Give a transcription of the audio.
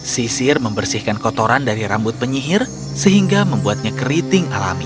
sisir membersihkan kotoran dari rambut penyihir sehingga membuatnya keriting alami